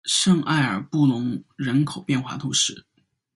圣埃尔布隆人口变化图示